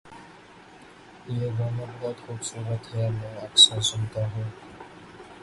یہ گانا بہت خوبصورت ہے، میں اکثر سنتا ہوں